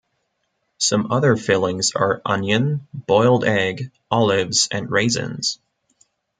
Some other fillings are onion, boiled egg, olives, or raisins.